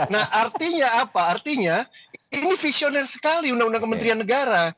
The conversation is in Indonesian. nah artinya apa artinya ini visioner sekali undang undang kementerian negara